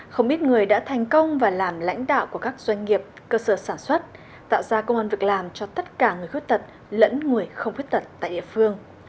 không ít người đã thành công và làm lãnh đạo của các doanh nghiệp cơ sở sản xuất tạo ra công an việc làm cho tất cả người khuyết tật lẫn người không khuyết tật tại địa phương